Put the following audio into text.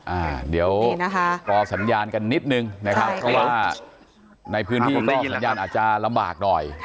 อ่าเดี๋ยวพอสัญญากันนิดนึงนะครับในพื้นที่ก็สัญญาณอาจจะลำบากหน่อย